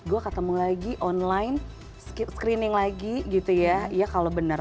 gue ketemu lagi online screening lagi gitu ya iya kalau benar